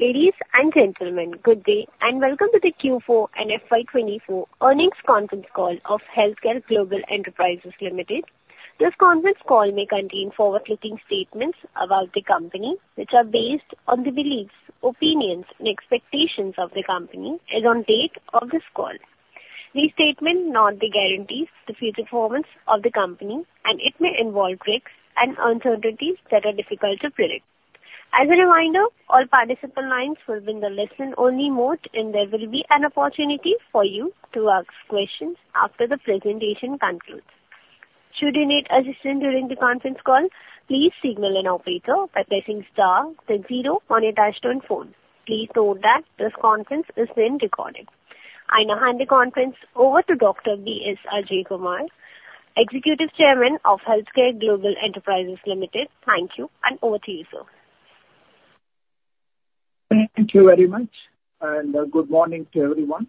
Ladies and gentlemen, good day, and welcome to the Q4 and FY 2024 earnings conference call of Healthcare Global Enterprises Limited. This conference call may contain forward-looking statements about the company, which are based on the beliefs, opinions and expectations of the company as on date of this call. These statements are not the guarantees, the future performance of the company, and it may involve risks and uncertainties that are difficult to predict. As a reminder, all participant lines will be in the listen-only mode, and there will be an opportunity for you to ask questions after the presentation concludes. Should you need assistance during the conference call, please signal an operator by pressing star then zero on your touchtone phone. Please note that this conference is being recorded. I now hand the conference over to Dr. B.S. Ajaikumar, Executive Chairman of Healthcare Global Enterprises Limited. Thank you, and over to you, sir. Thank you very much, and, good morning to everyone.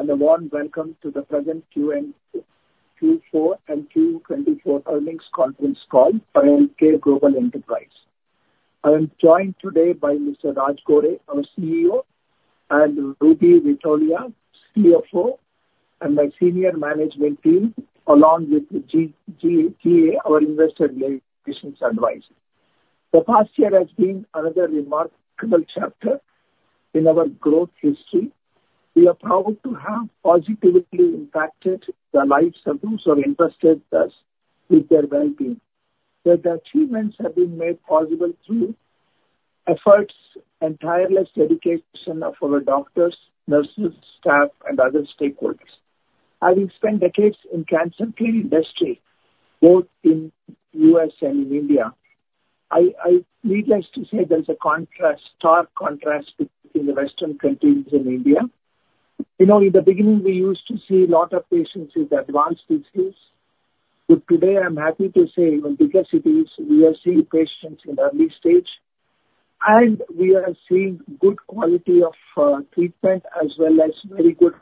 A warm welcome to the present Q4 and FY 2024 earnings conference call for Healthcare Global Enterprises. I am joined today by Mr. Raj Gore, our CEO, and Ruby Vatalia, CFO, and my senior management team, along with the SGA, our investor relations advisor. The past year has been another remarkable chapter in our growth history. We are proud to have positively impacted the lives of those who have entrusted us with their well-being. Their achievements have been made possible through efforts and tireless dedication of our doctors, nurses, staff, and other stakeholders. Having spent decades in cancer care industry, both in U.S. and in India, needless to say, there's a contrast, stark contrast between the Western countries and India. You know, in the beginning, we used to see a lot of patients with advanced diseases, but today I'm happy to say in big cities, we are seeing patients in early stage, and we are seeing good quality of, treatment as well as very good.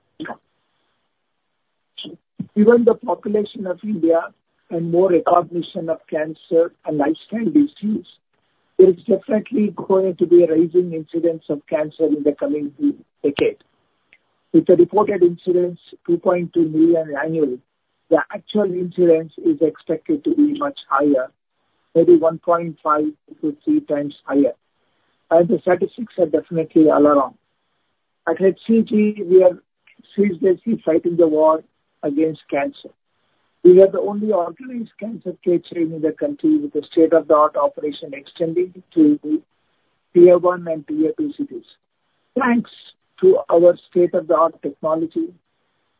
Given the population of India and more recognition of cancer and lifestyle disease, it is definitely going to be a rising incidence of cancer in the coming decade. With a reported incidence, 2.2 million annually, the actual incidence is expected to be much higher, maybe 1.5x-3x higher, and the statistics are definitely alarming. At HCG, we are seriously fighting the war against cancer. We are the only organized cancer care chain in the country, with a state-of-the-art operation extending to Tier 1 and Tier 2 cities. Thanks to our state-of-the-art technology,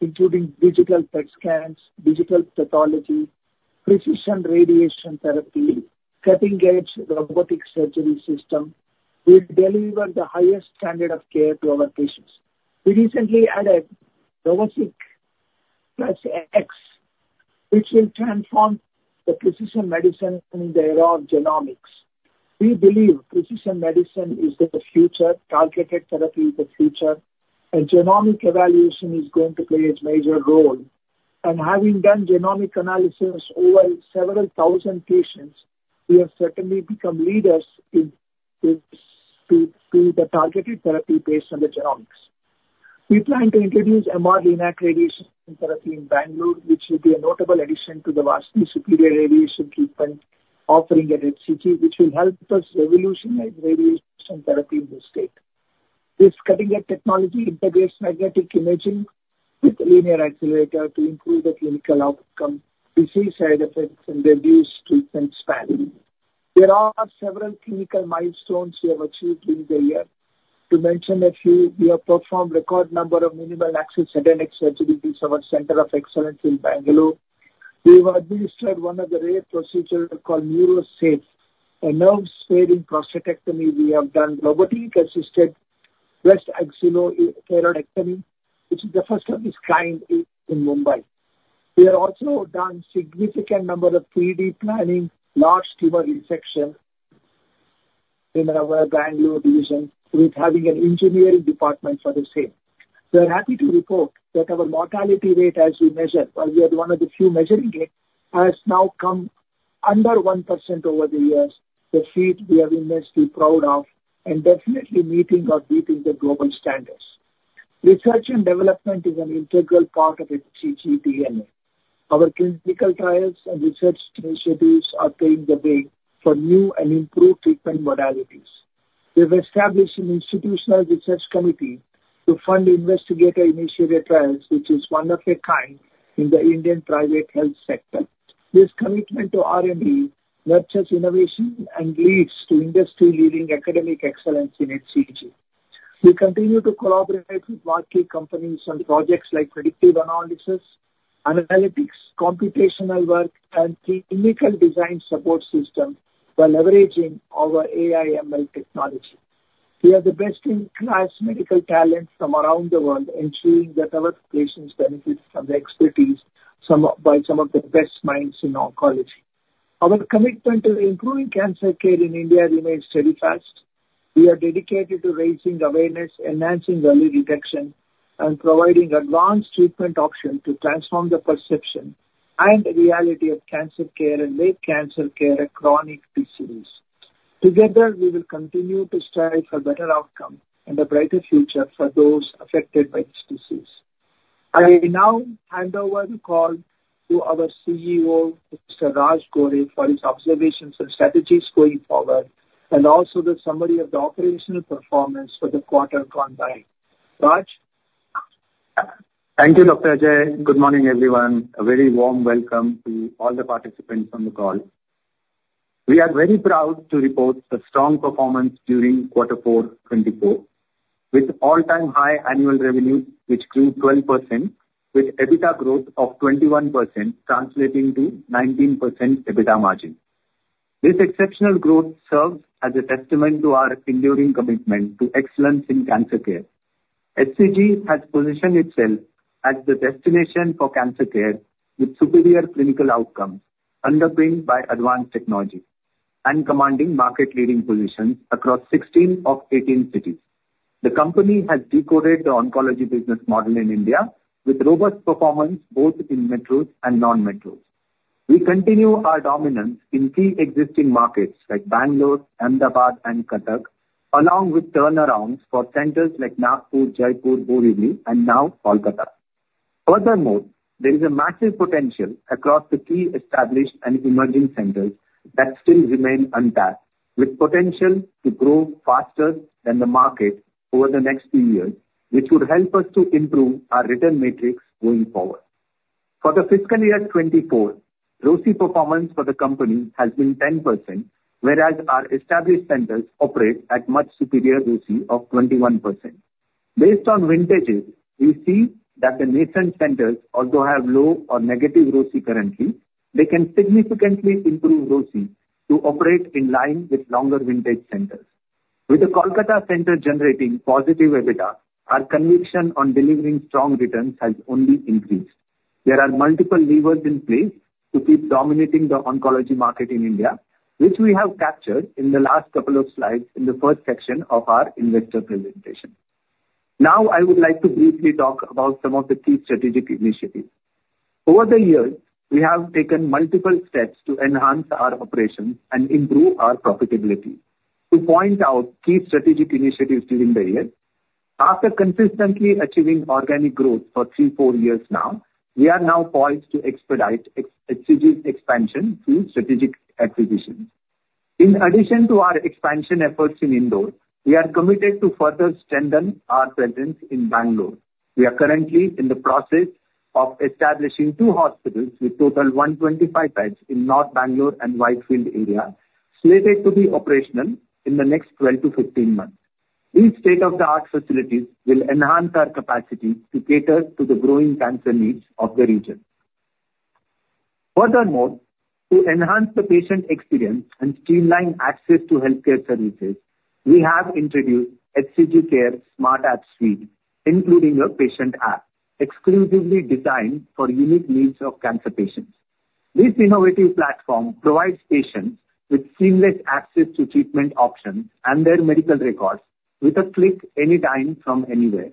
including digital PET scans, digital pathology, precision radiation therapy, cutting-edge robotic surgery system, we deliver the highest standard of care to our patients. We recently added [robotic Plus X], which will transform the precision medicine in the era of genomics. We believe precision medicine is the future, targeted therapy is the future, and genomic evaluation is going to play a major role. And having done genomic analysis over several thousand patients, we have certainly become leaders in the targeted therapy based on the genomics. We plan to introduce MR-Linac radiation therapy in Bangalore, which will be a notable addition to the vastly superior radiation treatment offering at HCG, which will help us revolutionize radiation therapy in the state. This cutting-edge technology integrates magnetic resonance imaging with linear accelerator to improve the clinical outcome, reduce side effects, and reduce treatment spanning. There are several clinical milestones we have achieved during the year. To mention a few, we have performed record number of minimal access gynecologic surgeries at our Center of Excellence in Bangalore. We have administered one of the rare procedure called NeuroSAFE, a nerve-sparing prostatectomy. We have done robotic-assisted [breast axillo-pectoralectomy], which is the first of its kind in, in Mumbai. We have also done significant number of 3D planning, large tumor resection in our Bangalore division, with having an engineering department for the same. We are happy to report that our mortality rate, as we measure, while we are one of the few measuring it, has now come under 1% over the years. The feat we are immensely proud of and definitely meeting or beating the global standards. Research and development is an integral part of HCG DNA. Our clinical trials and research initiatives are paving the way for new and improved treatment modalities. We've established an institutional research committee to fund investigator-initiated trials, which is one of a kind in the Indian private health sector. This commitment to R&D nurtures innovation and leads to industry-leading academic excellence in HCG. We continue to collaborate with market companies on projects like predictive analysis and analytics, computational work, and the initial design support system by leveraging our AI ML technology. We have the best-in-class medical talents from around the world, ensuring that our patients benefit from the expertise by some of the best minds in oncology. Our commitment to improving cancer care in India remains steadfast. We are dedicated to raising awareness, enhancing early detection, and providing advanced treatment options to transform the perception and reality of cancer care and make cancer care a chronic disease. Together, we will continue to strive for better outcome and a brighter future for those affected by this disease. I will now hand over the call to our CEO, Mr. Raj Gore, for his observations and strategies going forward, and also the summary of the operational performance for the quarter gone by. Raj? Thank you, Dr. Ajaikumar. Good morning, everyone. A very warm welcome to all the participants on the call. We are very proud to report a strong performance during quarter four, 2024, with all-time high annual revenue, which grew 12%, with EBITDA growth of 21%, translating to 19% EBITDA margin. This exceptional growth serves as a testament to our enduring commitment to excellence in cancer care. HCG has positioned itself as the destination for cancer care, with superior clinical outcomes underpinned by advanced technology and commanding market-leading positions across 16 of 18 cities. The company has decoded the oncology business model in India with robust performance both in metros and non-metros. We continue our dominance in key existing markets like Bangalore, Ahmedabad, and Cuttack, along with turnarounds for centers like Nagpur, Jaipur, Borivali, and now Kolkata. Furthermore, there is a massive potential across the key established and emerging centers that still remain untapped, with potential to grow faster than the market over the next few years, which would help us to improve our return metrics going forward. For the fiscal year 2024, ROCE performance for the company has been 10%, whereas our established centers operate at much superior ROCE of 21%. Based on vintages, we see that the nascent centers, although have low or negative ROCE currently, they can significantly improve ROCE to operate in line with longer vintage centers. With the Kolkata center generating positive EBITDA, our conviction on delivering strong returns has only increased. There are multiple levers in place to keep dominating the oncology market in India, which we have captured in the last couple of slides in the first section of our investor presentation. Now, I would like to briefly talk about some of the key strategic initiatives. Over the years, we have taken multiple steps to enhance our operations and improve our profitability. To point out key strategic initiatives during the year, after consistently achieving organic growth for three, four years now, we are now poised to expedite HCG's expansion through strategic acquisitions. In addition to our expansion efforts in Indore, we are committed to further strengthen our presence in Bangalore. We are currently in the process of establishing two hospitals with total 125 beds in North Bangalore and Whitefield area, slated to be operational in the next 12-15 months. These state-of-the-art facilities will enhance our capacity to cater to the growing cancer needs of the region. Furthermore, to enhance the patient experience and streamline access to healthcare services, we have introduced HCG Care Smart App Suite, including a patient app exclusively designed for unique needs of cancer patients. This innovative platform provides patients with seamless access to treatment options and their medical records with a click, anytime, from anywhere.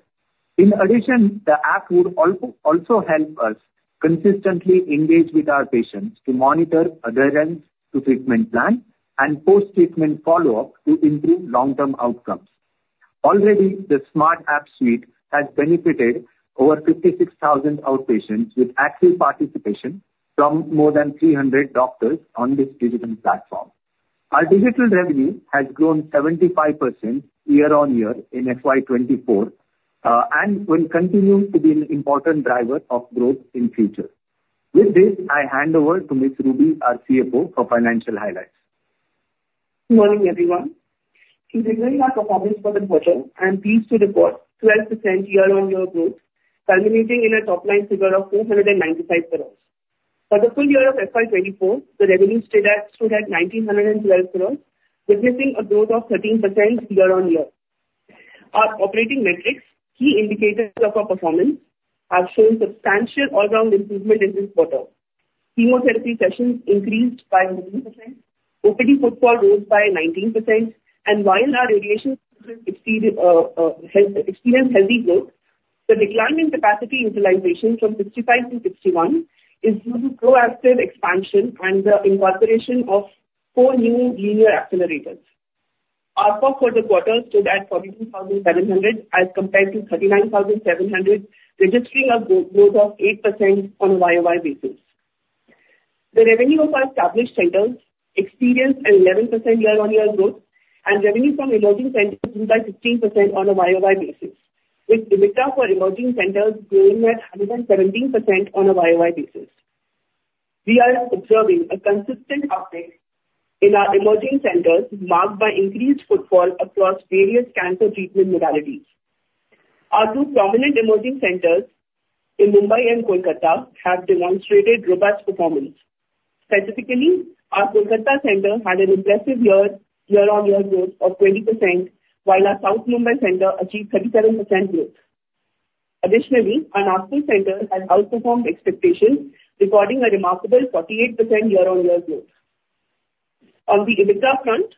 In addition, the app would also, also help us consistently engage with our patients to monitor adherence to treatment plan and post-treatment follow-up to improve long-term outcomes. Already, the Smart App Suite has benefited over 56,000 outpatients with active participation from more than 300 doctors on this digital platform. Our digital revenue has grown 75% year-on-year in FY 2024, and will continue to be an important driver of growth in future. With this, I hand over to Ms. Ruby, our CFO, for financial highlights. Good morning, everyone. In reviewing our performance for the quarter, I am pleased to report 12% year-over-year growth, culminating in a top-line figure of 495 crores. For the full year of FY 2024, the revenue stood at 1,912 crores, witnessing a growth of 13% year-over-year. Our operating metrics, key indicators of our performance, have shown substantial all-round improvement in this quarter. Chemotherapy sessions increased by [14%], OPD footfall rose by 19%, and while our radiation experienced healthy growth, the decline in capacity utilization from 65% to 61% is due to proactive expansion and the incorporation of four new linear accelerators. Our for the quarter stood at 42,700 as compared to 39,700, registering a growth of 8% on a YOY basis. The revenue of our established centers experienced an 11% year-on-year growth, and revenue from emerging centers grew by 16% on a YOY basis, with EBITDA for emerging centers growing at 117% on a YOY basis. We are observing a consistent uptick in our emerging centers, marked by increased footfall across various cancer treatment modalities. Our two prominent emerging centers in Mumbai and Kolkata have demonstrated robust performance. Specifically, our Kolkata center had an impressive year, year-on-year growth of 20%, while our South Mumbai center achieved 37% growth. Additionally, our Nagpur center has outperformed expectations, recording a remarkable 48% year-on-year growth. On the EBITDA front,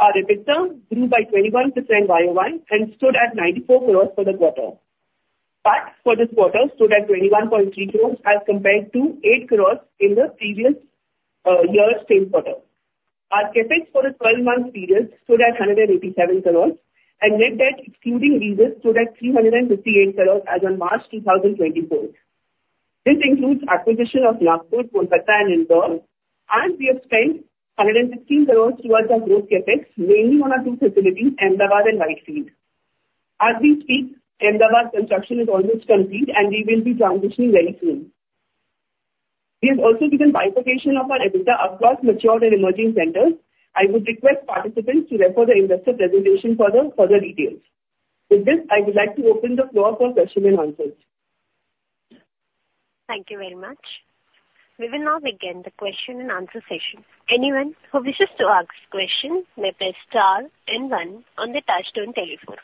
our EBITDA grew by 21% YOY and stood at 94 crores for the quarter. But for this quarter, stood at 21.3 crores, as compared to 8 crores in the previous, year's same quarter. Our CapEx for the 12-month period stood at 187 crores, and net debt excluding leases stood at 358 crores as on March 2024. This includes acquisition of Nagpur, Kolkata, and Indore, and we have spent 115 crores towards our growth CapEx, mainly on our 2 facilities, Ahmedabad and Whitefield. As we speak, Ahmedabad construction is almost complete, and we will be transitioning very soon. We have also given bifurcation of our EBITDA across matured and emerging centers. I would request participants to refer the investor presentation for the further details. With this, I would like to open the floor for question and answers. Thank you very much. We will now begin the question-and-answer session. Anyone who wishes to ask question may press star and one on the touchtone telephone.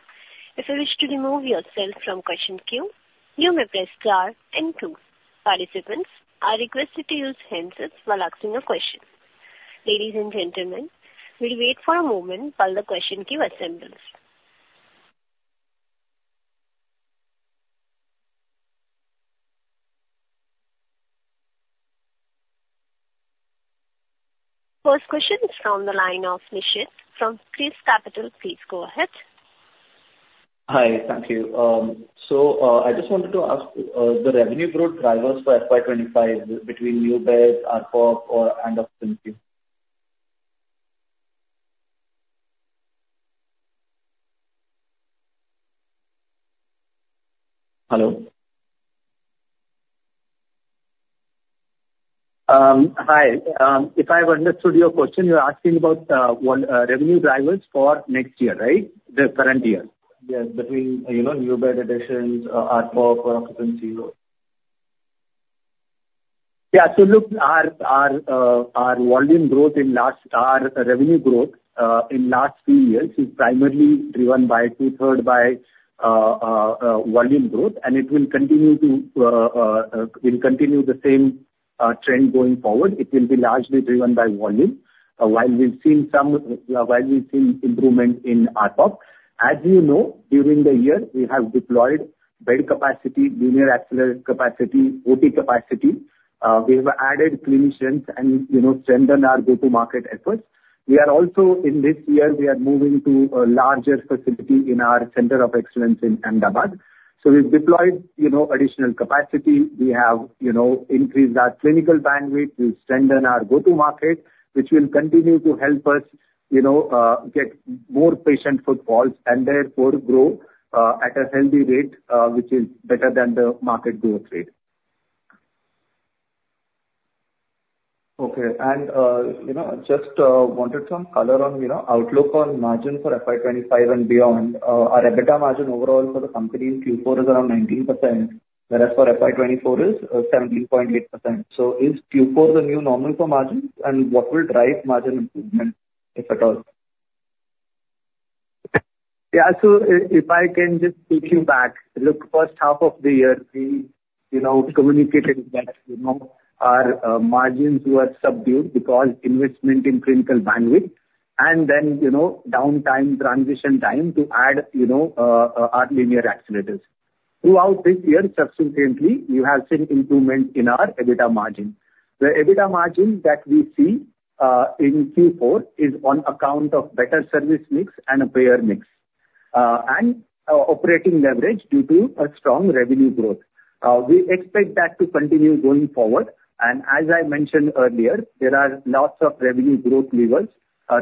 If you wish to remove yourself from question queue, you may press star and two. Participants are requested to use handsets while asking a question. Ladies and gentlemen, we'll wait for a moment while the question queue assembles. First question is from the line of Nishit from ChrysCapital. Please, go ahead. Hi, thank you. So, I just wanted to ask, the revenue growth drivers for FY 2025 between new beds, ARPO, or/and occupancy? Hello? Hi. If I've understood your question, you're asking about what revenue drivers for next year, right? The current year. Yes, between, you know, new bed additions, ARPO, or occupancy load. Yeah. So look, our revenue growth in last few years is primarily driven by 2/3 by volume growth, and it will continue the same trend going forward. It will be largely driven by volume. While we've seen some improvement in ARPO, as you know, during the year, we have deployed bed capacity, linear accelerator capacity, OT capacity. We have added clinicians and, you know, strengthened our go-to-market efforts. We are also, in this year, moving to a larger facility in our center of excellence in Ahmedabad. So we've deployed, you know, additional capacity. We have, you know, increased our clinical bandwidth. We've strengthened our go-to-market, which will continue to help us, you know, get more patient footfalls and therefore grow, at a healthy rate, which is better than the market growth rate. Okay. And, you know, just wanted some color on, you know, outlook on margin for FY 2025 and beyond. Our EBITDA margin overall for the company in Q4 is around 19%, whereas for FY 2024 is 17.8%. So is Q4 the new normal for margin? And what will drive margin improvement, if at all? Yeah. So if I can just take you back. Look, first half of the year, we, you know, communicated that, you know, our margins were subdued because investment in clinical bandwidth, and then, you know, downtime, transition time to add, you know, our linear accelerators. Throughout this year, subsequently, you have seen improvement in our EBITDA margin. The EBITDA margin that we see in Q4 is on account of better service mix and a payer mix, and operating leverage due to a strong revenue growth. We expect that to continue going forward, and as I mentioned earlier, there are lots of revenue growth levers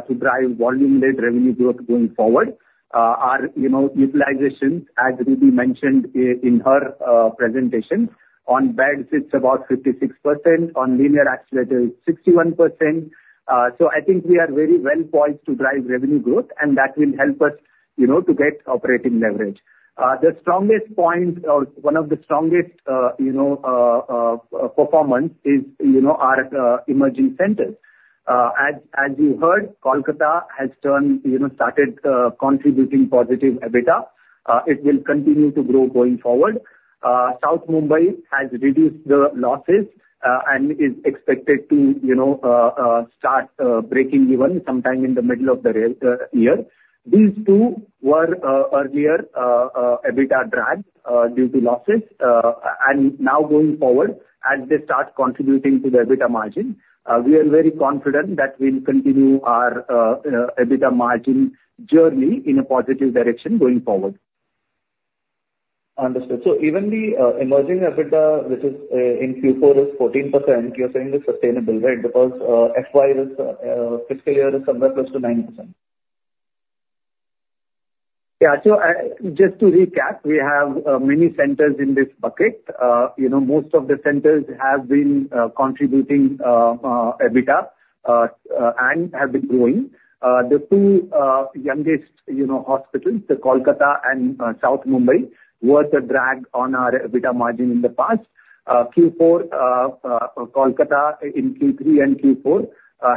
to drive volume-led revenue growth going forward. Our, you know, utilizations, as Ruby mentioned in her presentation, on beds it's about 56%, on linear accelerators, 61%. So I think we are very well poised to drive revenue growth, and that will help us, you know, to get operating leverage. The strongest point or one of the strongest, you know, performance is, you know, our emerging centers. As you heard, Kolkata has turned, you know, started contributing positive EBITDA. It will continue to grow going forward. South Mumbai has reduced the losses, and is expected to, you know, start breaking even sometime in the middle of the year. These two were earlier EBITDA drag due to losses. And now going forward, as they start contributing to the EBITDA margin, we are very confident that we'll continue our EBITDA margin journey in a positive direction going forward. Understood. So even the emerging EBITDA, which is in Q4, is 14%, you're saying is sustainable, right? Because is fiscal year is somewhere close to 9%. Yeah. So, just to recap, we have many centers in this bucket. You know, most of the centers have been contributing EBITDA and have been growing. The two youngest, you know, hospitals, the Kolkata and South Mumbai, was a drag on our EBITDA margin in the past. Q4, Kolkata in Q3 and Q4,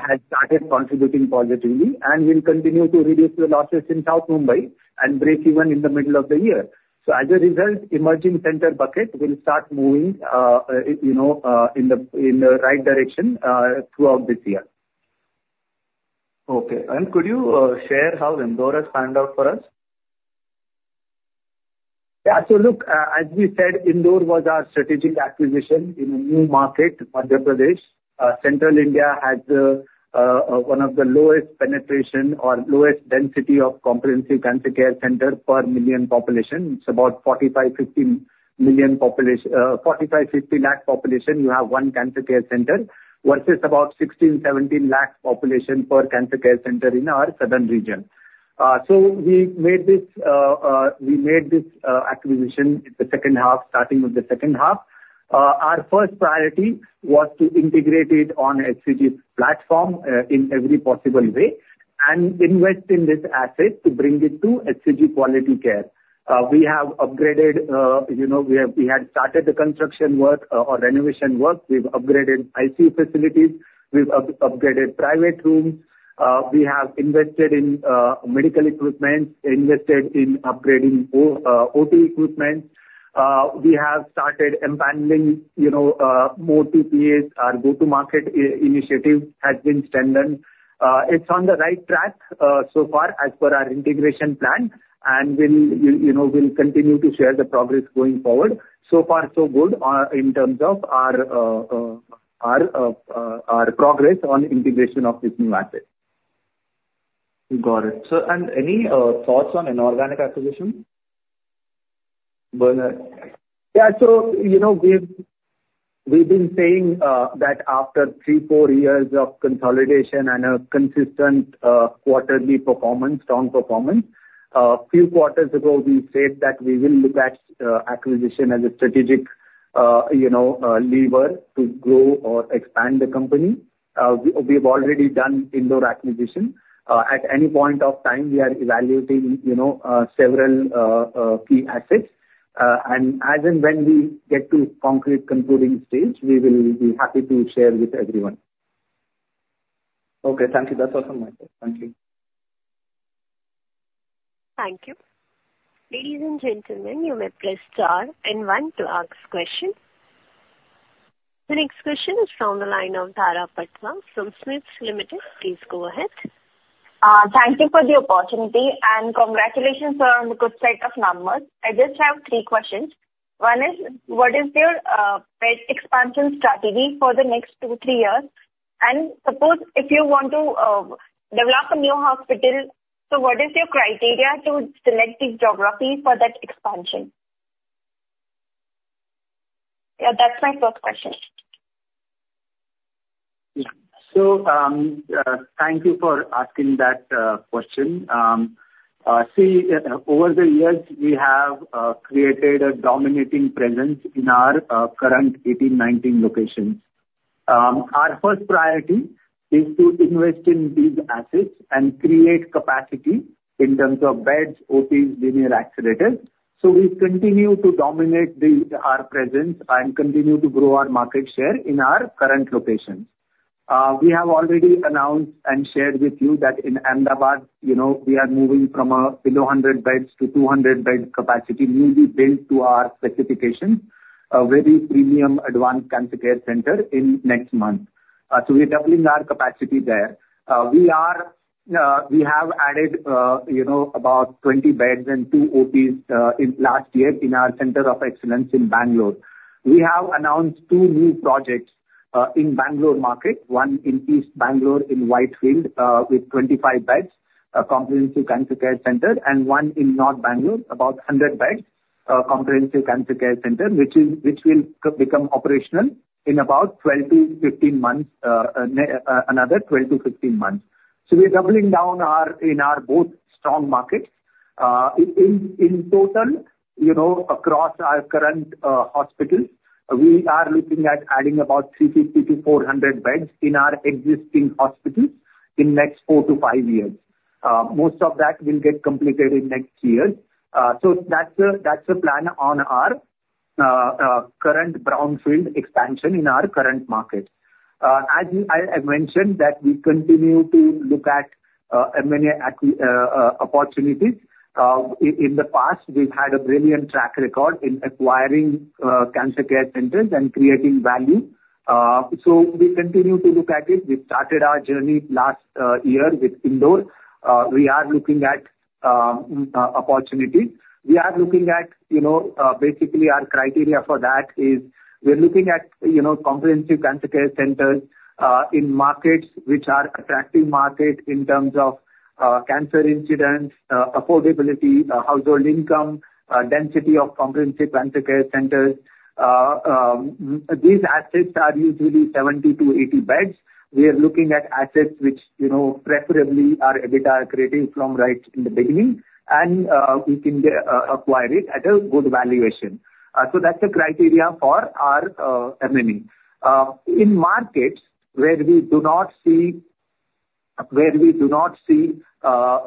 has started contributing positively, and will continue to reduce the losses in South Mumbai and break even in the middle of the year. So as a result, emerging center bucket will start moving, you know, in the right direction throughout this year. Okay. And could you share how Indore has panned out for us? Yeah. So look, as we said, Indore was our strategic acquisition in a new market, Madhya Pradesh. Central India has one of the lowest penetration or lowest density of comprehensive cancer care center per million population. It's about 45-50 lakh population, you have one cancer care center, versus about 16-17 lakh population per cancer care center in our southern region. So we made this acquisition in the second half, starting with the second half. Our first priority was to integrate it on HCG's platform, in every possible way, and invest in this asset to bring it to HCG quality care. We have upgraded, you know, we had started the construction work, or renovation work. We've upgraded ICU facilities. We've upgraded private rooms. We have invested in medical equipment, invested in upgrading OT equipment. We have started empaneling, you know, more TPAs. Our go-to-market initiative has been strengthened. It's on the right track, so far, as per our integration plan, and we'll, you know, we'll continue to share the progress going forward. So far, so good, in terms of our progress on integration of this new asset. Got it. So, and any thoughts on inorganic acquisition? Bernard. Yeah, so, you know, we've been saying that after three, four years of consolidation and a consistent quarterly performance, strong performance, few quarters ago, we said that we will look at acquisition as a strategic, you know, lever to grow or expand the company. We've already done Indore acquisition. At any point of time, we are evaluating, you know, several key assets. And as and when we get to concrete concluding stage, we will be happy to share with everyone. Okay, thank you. That's all from my side. Thank you. Thank you. Ladies and gentlemen, you may press star and one to ask question. The next question is from the line of Dhara Patwa from SMIFS Limited. Please go ahead. Thank you for the opportunity, and congratulations on the good set of numbers. I just have three questions. One is, what is your bed expansion strategy for the next two, three years? And suppose if you want to develop a new hospital, so what is your criteria to select the geography for that expansion? Yeah, that's my first question. So, thank you for asking that question. See, over the years, we have created a dominating presence in our current 18, 19 locations. Our first priority is to invest in these assets and create capacity in terms of beds, OPs, linear accelerators, so we continue to dominate our presence and continue to grow our market share in our current locations. We have already announced and shared with you that in Ahmedabad, you know, we are moving from below 100 beds to 200-bed capacity, newly built to our specifications, a very premium advanced cancer care center in next month. So we're doubling our capacity there. We have added, you know, about 20 beds and two OPs in last year in our center of excellence in Bangalore. We have announced two new projects in Bangalore market, one in East Bangalore in Whitefield with 25 beds, a comprehensive cancer care center, and one in North Bangalore, about 100 beds, comprehensive cancer care center, which will become operational in about another 12-15 months. So we're doubling down in our both strong markets. In total, you know, across our current hospitals, we are looking at adding about 350-400 beds in our existing hospitals in next 4-5 years. Most of that will get completed in next year. So that's the plan on our current brownfield expansion in our current market. As I mentioned, that we continue to look at M&A opportunities. In the past, we've had a brilliant track record in acquiring cancer care centers and creating value. So we continue to look at it. We started our journey last year with Indore. We are looking at opportunities. We are looking at, you know, basically our criteria for that is we're looking at, you know, comprehensive cancer care centers in markets which are attractive markets in terms of cancer incidence, affordability, household income, density of comprehensive cancer care centers. These assets are usually 70-80 beds. We are looking at assets which, you know, preferably are EBITDA creative from right in the beginning, and we can acquire it at a good valuation. So that's the criteria for our M&A. In markets where we do not see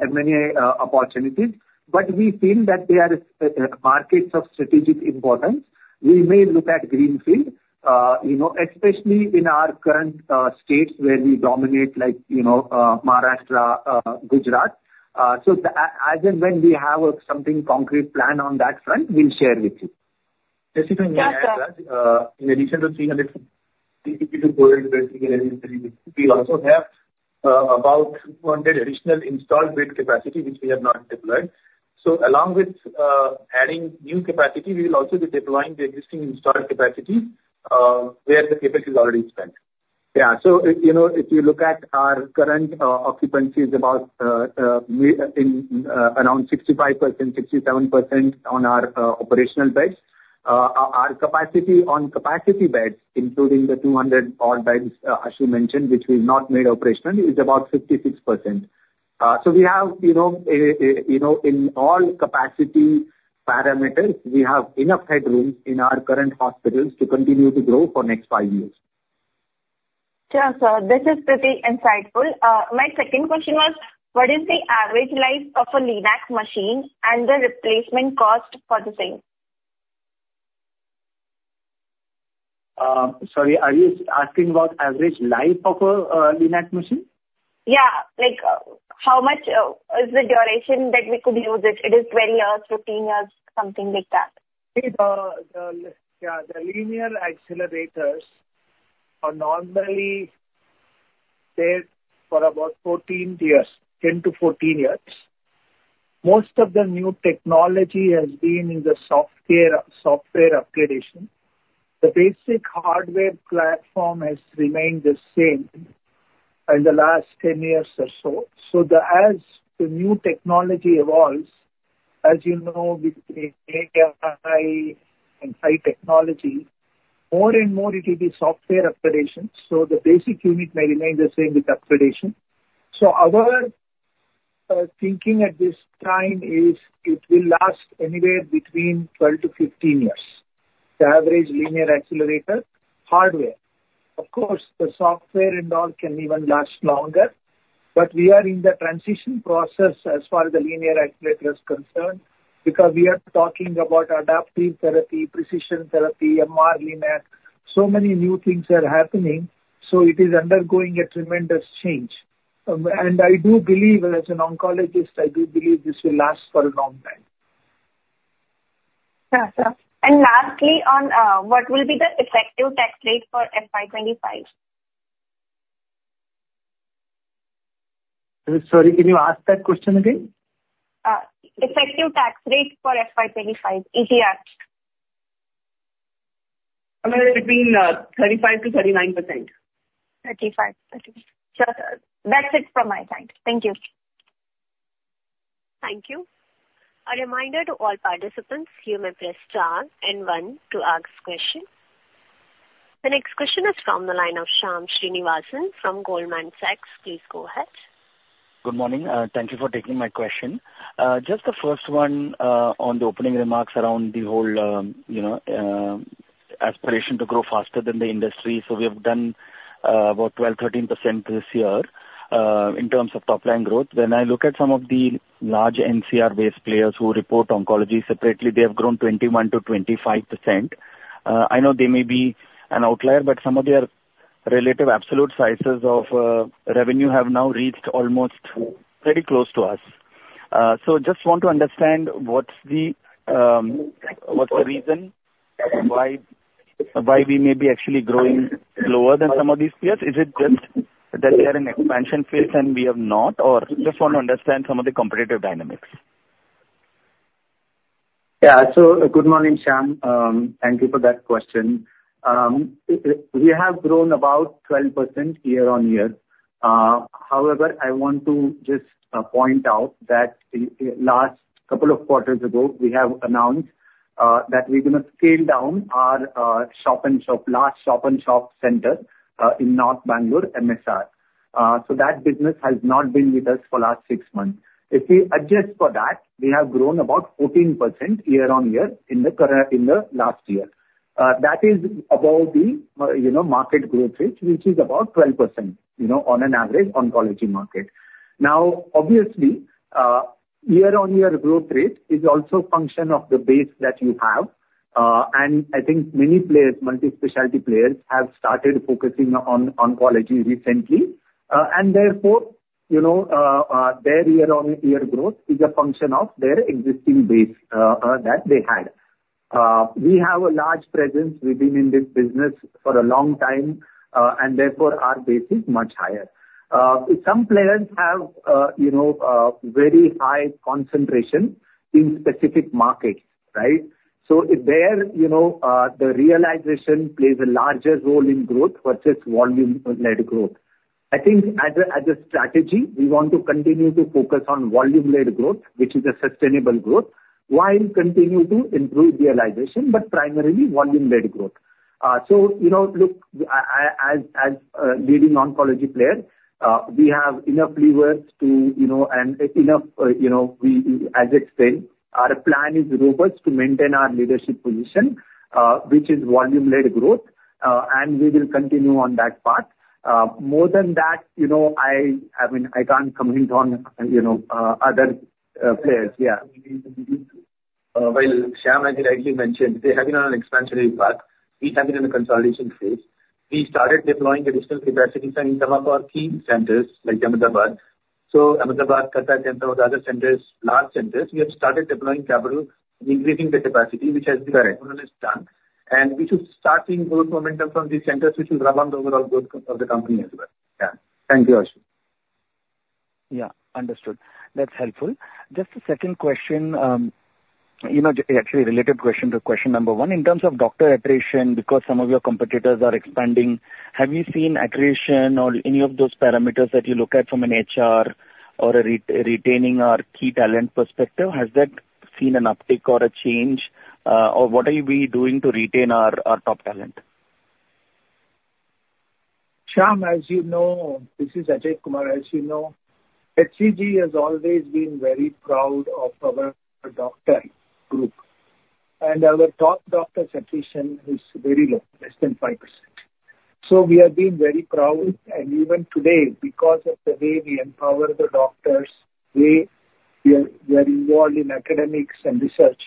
M&A opportunities, but we feel that they are markets of strategic importance. We may look at greenfield, you know, especially in our current states where we dominate, like, you know, Maharashtra, Gujarat. So as and when we have something concrete plan on that front, we'll share with you. Just to add, in addition to 300 we also have about 200 additional installed bed capacity, which we have not deployed. So along with adding new capacity, we will also be deploying the existing installed capacity where the capacity is already spent. Yeah. So, you know, if you look at our current occupancy is about around 65%-67% on our operational beds. Our capacity on capacity beds, including the 200-odd beds, as you mentioned, which we've not made operational, is about 56%. So we have, you know, in all capacity parameters, we have enough headroom in our current hospitals to continue to grow for next five years. Sure, sir. This is pretty insightful. My second question was: What is the average life of a LINAC machine and the replacement cost for the same? Sorry, are you asking about average life of a LINAC machine? Yeah. Like, how much is the duration that we could use it? It is 12 years, 15 years, something like that. Yeah, the linear accelerators are normally there for about 14 years, 10-14 years. Most of the new technology has been in the software upgradation. The basic hardware platform has remained the same in the last 10 years or so. As the new technology evolves, as you know, with AI and high technology, more and more it will be software upgradation, so the basic unit may remain the same with upgradation. So our thinking at this time is it will last anywhere between 12-15 years, the average linear accelerator hardware. Of course, the software and all can even last longer, but we are in the transition process as far as the linear accelerator is concerned, because we are talking about adaptive therapy, precision therapy, MR-Linac. So many new things are happening, so it is undergoing a tremendous change. As an oncologist, I do believe this will last for a long time. Yeah, sure. And lastly, on what will be the effective tax rate for FY 2025? Sorry, can you ask that question again? Effective tax rate for FY 2025, ETR. Between 35%-39%. 35%. Sure. That's it from my side. Thank you. Thank you. A reminder to all participants, you may press star and one to ask question. The next question is from the line of Shyam Srinivasan from Goldman Sachs. Please go ahead. Good morning. Thank you for taking my question. Just the first one, on the opening remarks around the whole, you know, aspiration to grow faster than the industry. So we have done, about 12%, 13% this year, in terms of top line growth. When I look at some of the large NCR-based players who report oncology separately, they have grown 21%-25%. I know they may be an outlier, but some of their relative absolute sizes of, revenue have now reached almost very close to us. So just want to understand what's the reason why, why we may be actually growing slower than some of these peers? Is it just that they are in expansion phase and we have not, or just want to understand some of the competitive dynamics. Yeah. So good morning, Shyam. Thank you for that question. We have grown about 12% year-on-year. However, I want to just point out that in last couple of quarters ago, we have announced that we're gonna scale down our shop and shop, large shop and shop center in North Bangalore, MSR. So that business has not been with us for last six months. If we adjust for that, we have grown about 14% year-on-year in the current, in the last year. That is above the you know, market growth rate, which is about 12% you know, on an average oncology market. Now, obviously, year-on-year growth rate is also a function of the base that you have. I think many players, multi-specialty players, have started focusing on oncology recently. And therefore, you know, their year on year growth is a function of their existing base that they had. We have a large presence. We've been in this business for a long time, and therefore our base is much higher. Some players have, you know, very high concentration in specific markets, right? So if they're, you know, the realization plays a larger role in growth versus volume-led growth. I think as a, as a strategy, we want to continue to focus on volume-led growth, which is a sustainable growth, while continue to improve realization, but primarily volume-led growth. So, you know, look, I, as a leading oncology player, we have enough levers to, you know, and enough, you know, as I explained, our plan is robust to maintain our leadership position, which is volume-led growth, and we will continue on that path. More than that, you know, I mean, I can't comment on, you know, other, players. Yeah. Well, Shyam, as you rightly mentioned, they have been on an expansionary path. We have been in a consolidation phase. We started deploying additional capacities in some of our key centers, like Ahmedabad. So Ahmedabad, Kolkata center, the other centers, large centers, we have started deploying capital, increasing the capacity, which has been done. And we should start seeing growth momentum from these centers, which will rub on the overall growth of the company as well. Yeah. Thank you, Raj. Yeah, understood. That's helpful. Just a second question, you know, actually a related question to question number one: in terms of doctor attrition, because some of your competitors are expanding, have you seen attrition or any of those parameters that you look at from an HR or a retaining our key talent perspective? Has that seen an uptick or a change, or what are we doing to retain our, our top talent? Shyam, as you know, this is Dr. B.S. Ajaikumar. As you know, HCG has always been very proud of our doctor group, and our top doctor attrition is very low, less than 5%. So we have been very proud, and even today, because of the way we empower the doctors, the way we are involved in academics and research,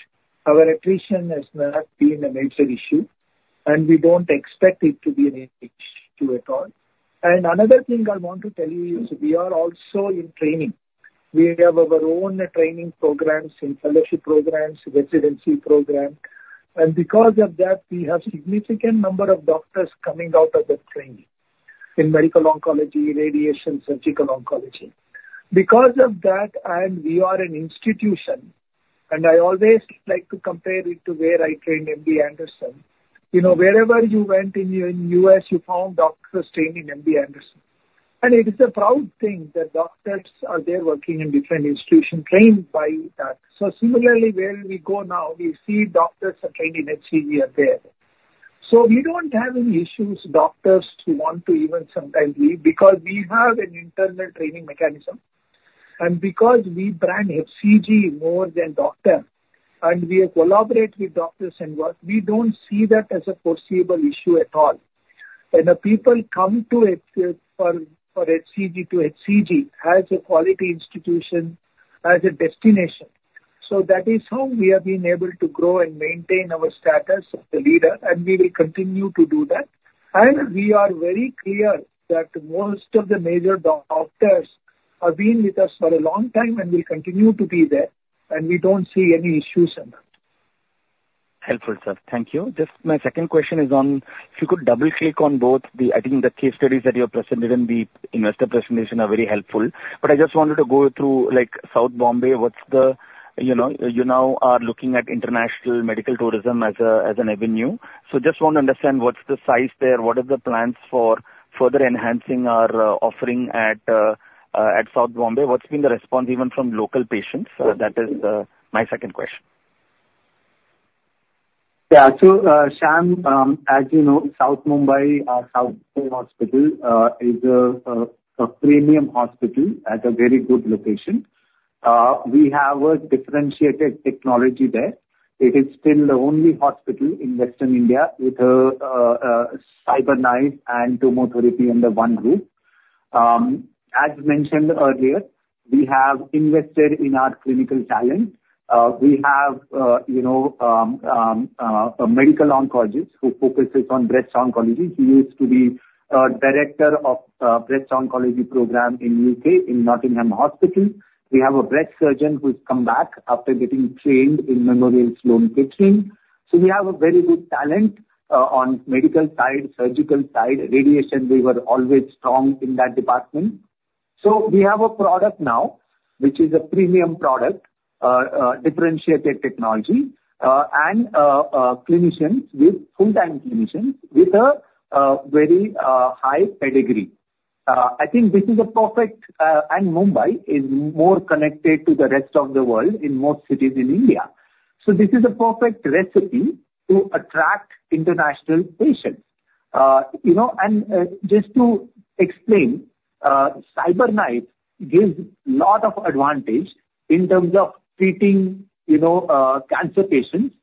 our attrition has not been a major issue, and we don't expect it to be an issue at all. And another thing I want to tell you is we are also in training. We have our own training programs and fellowship programs, residency program, and because of that, we have significant number of doctors coming out of the training in medical oncology, radiation, surgical oncology. Because of that, and we are an institution, and I always like to compare it to where I trained, M.D. Anderson. You know, wherever you went in U.S., you found doctors trained in MD Anderson. And it is a proud thing that doctors are there working in different institutions trained by that. So similarly, where we go now, we see doctors are trained in HCG are there. So we don't have any issues, doctors who want to even sometimes leave, because we have an internal training mechanism. And because we brand HCG more than doctor, and we collaborate with doctors and work, we don't see that as a foreseeable issue at all. And the people come to it for HCG to HCG as a quality institution, as a destination. So that is how we have been able to grow and maintain our status of the leader, and we will continue to do that. We are very clear that most of the major doctors have been with us for a long time and will continue to be there, and we don't see any issues on that. Helpful, sir. Thank you. Just my second question is on if you could double-click on both the, I think the case studies that you have presented in the investor presentation are very helpful. But I just wanted to go through, like, South Mumbai, what's the, you now are looking at international medical tourism as a, as an avenue. So just want to understand, what's the size there? What are the plans for further enhancing our, at South Mumbai? What's been the response, even from local patients? That is my second question. Yeah. So, Shyam, as you know, South Mumbai, South Bombay Hospital, is a premium hospital at a very good location. We have a differentiated technology there. It is still the only hospital in Western India with a CyberKnife and Tomotherapy under one roof. As mentioned earlier, we have invested in our clinical talent. We have, you know, a medical oncologist who focuses on breast oncology. He used to be director of breast oncology program in U.K., in Nottingham Hospital. We have a breast surgeon who's come back after getting trained in Memorial Sloan Kettering. So we have a very good talent on medical side, surgical side. Radiation, we were always strong in that department. So we have a product now, which is a premium product, differentiated technology, and clinicians with full-time clinicians with a very high pedigree. And Mumbai is more connected to the rest of the world in most cities in India. So this is a perfect recipe to attract international patients. You know, and just to explain, CyberKnife gives lot of advantage in terms of treating, you know, cancer patients,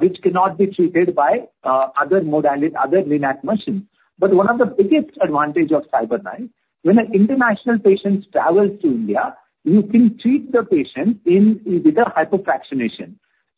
which cannot be treated by other modality, other linear machines. But one of the biggest advantage of CyberKnife, when an international patients travels to India, you can treat the patient in with a hypofractionation.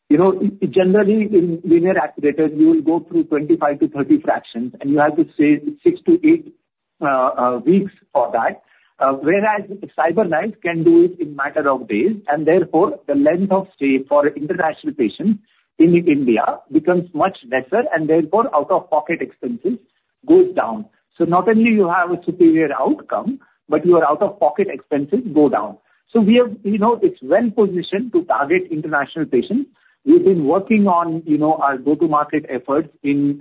You know, I generally, in linear accelerator, you will go through 25-30 fractions, and you have to stay 6-8 weeks for that. Whereas CyberKnife can do it in matter of days, and therefore the length of stay for international patients in India becomes much lesser, and therefore, out-of-pocket expenses goes down. So not only you have a superior outcome, but your out-of-pocket expenses go down. So we are, you know, it's well positioned to target international patients. We've been working on, you know, our go-to-market efforts in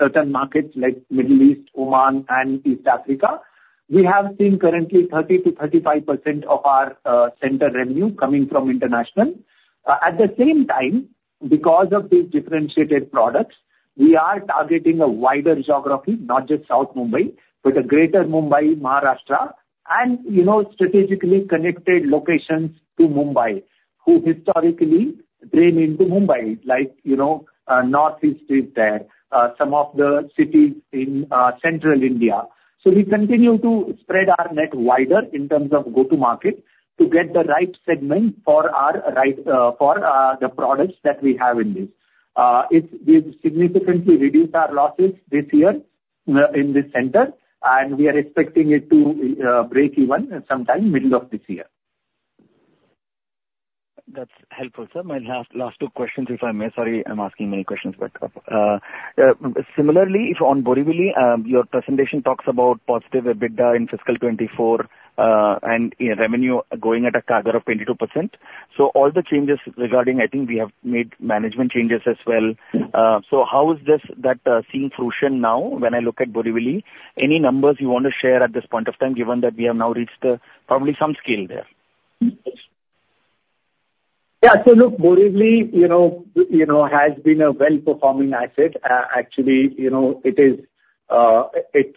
certain markets like Middle East, Oman, and East Africa. We have seen currently 30%-35% of our center revenue coming from international. At the same time, because of these differentiated products, we are targeting a wider geography, not just South Mumbai, but a Greater Mumbai, Maharashtra, and, you know, strategically connected locations to Mumbai, who historically, drain into Mumbai, like, you know, Northeast is there, some of the cities in, central India. So we continue to spread our net wider in terms of go-to-market to get the right segment for our right, for, the products that we have in this. It's, we've significantly reduced our losses this year, in this center, and we are expecting it to, break even sometime middle of this year. That's helpful, sir. My last, last two questions, if I may. Sorry, I'm asking many questions, but, similarly, if on Borivali, your presentation talks about positive EBITDA in fiscal 2024, and revenue going at a CAGR of 22%. So all the changes regarding, I think we have made management changes as well. So how is this, that, seeing fruition now, when I look at Borivali? Any numbers you want to share at this point of time, given that we have now reached, probably some scale there? Yeah. So look, Borivali, you know, has been a well-performing asset. Actually, you know, it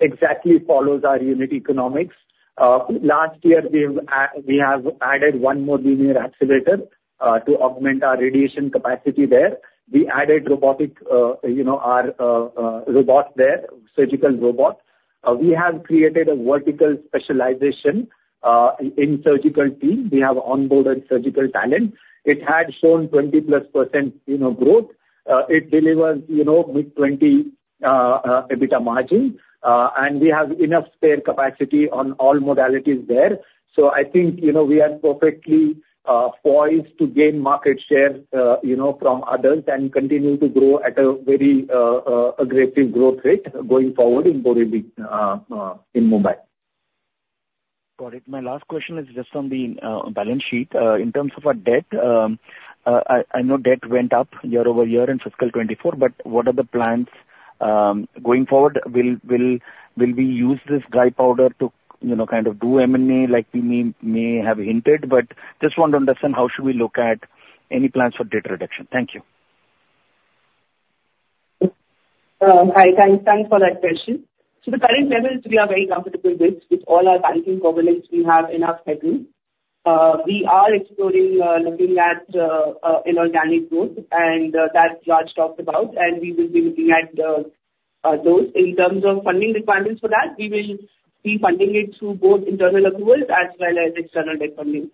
exactly follows our unit economics. Last year, we have added one more linear accelerator to augment our radiation capacity there. We added robotic, you know, our robot there, surgical robot. We have created a vertical specialization in surgical team. We have onboarded surgical talent. It had shown 20%+ growth. It delivers, you know, mid-20 EBITDA margin, and we have enough spare capacity on all modalities there. So I think, you know, we are perfectly poised to gain market share, you know, from others and continue to grow at a very aggressive growth rate going forward in Borivali in Mumbai. Got it. My last question is just on the balance sheet. In terms of our debt, I know debt went up year-over-year in fiscal 2024, but what are the plans going forward? Will we use this dry powder to, you know, kind of do M&A like we may have hinted, but just want to understand how should we look at any plans for debt reduction? Thank you. Hi, thanks, thanks for that question. So the current levels we are very comfortable with, with all our banking covenants we have in our schedule. We are exploring, looking at, inorganic growth, and that Raj talked about, and we will be looking at those. In terms of funding requirements for that, we will be funding it through both internal accruals as well as external debt funding.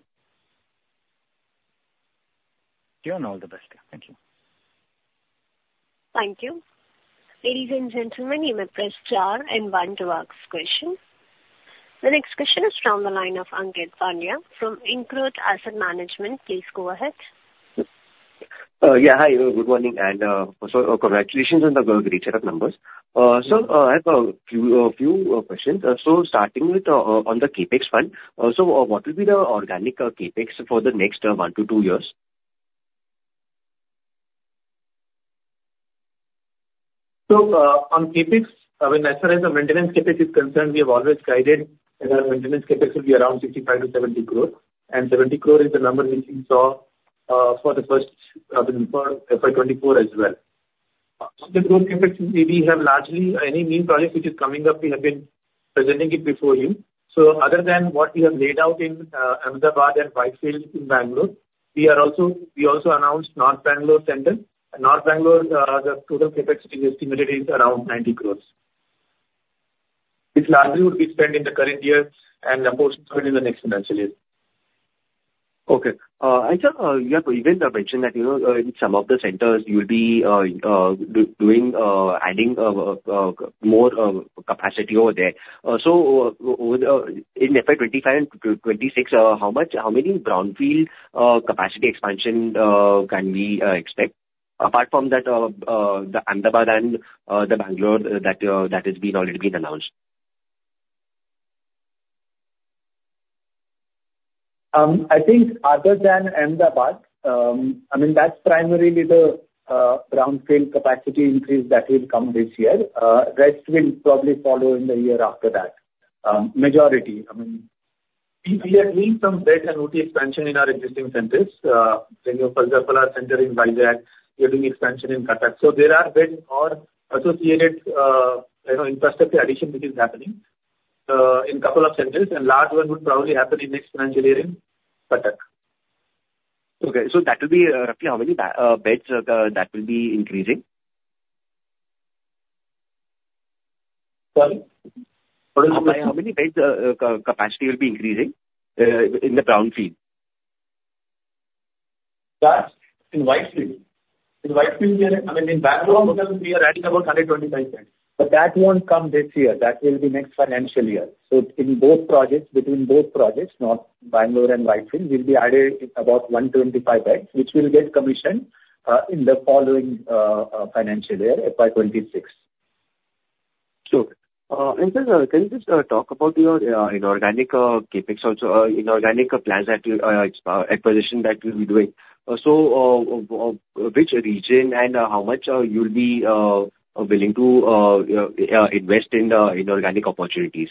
Sure, and all the best. Thank you. Thank you. Ladies and gentlemen, you may press star and one to ask question. The next question is from the line of Ankit Pande, from InCred Asset Management. Please go ahead. Yeah, hi, good morning, and so congratulations on the great set of numbers. I have a few questions. Starting with on the CapEx fund, what will be the organic CapEx for the next one to two years? So, on CapEx, I mean, as far as the maintenance CapEx is concerned, we have always guided that our maintenance CapEx will be around 65-70 crore, and 70 crore is the number which you saw, for FY 2024 as well. On the growth CapEx, we have largely any new project which is coming up, we have been presenting it before you. So other than what we have laid out in Ahmedabad and Whitefield in Bangalore, we also announced North Bangalore center. And North Bangalore, the total CapEx we estimated is around 90 crore. This largely will be spent in the current year and a portion of it in the next financial year. Okay. I think you have even mentioned that, you know, in some of the centers you'll be doing adding more capacity over there. So, in FY 2025 and 2026, how much, how many brownfield capacity expansion can we expect, apart from that, the Ahmedabad and the Bangalore that has already been announced? I think other than Ahmedabad, I mean, that's primarily the brownfield capacity increase that will come this year. Rest will probably follow in the year after that. Majority, I mean, we are doing some bed and OT expansion in our existing centers. Say, in our [Kalgymala center] in Vizag, we are doing expansion in Cuttack. So there are bed or associated, you know, infrastructure addition which is happening in couple of centers, and large one would probably happen in next financial year in Cuttack. Okay. So that will be roughly how many beds that will be increasing? Sorry? How many beds capacity will be increasing in the brownfield? That's in Whitefield. In Whitefield, we are, I mean, in Bangalore we are adding about 125 beds, but that won't come this year. That will be next financial year. So in both projects, between both projects, North Bangalore and Whitefield, will be added about 125 beds, which will get commissioned in the following financial year, FY 2026. Sure. Sir, can you just talk about your inorganic CapEx also inorganic plans that you acquisition that you'll be doing? Which region and how much you'll be invest in the inorganic opportunities?